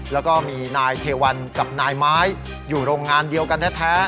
แล้วก็มีนายเทวันกับนายไม้อยู่โรงงานเดียวกันแท้